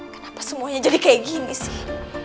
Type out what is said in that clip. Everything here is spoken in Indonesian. kenapa semuanya jadi kayak gini sih